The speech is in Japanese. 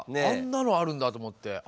あんなのあるんだと思って。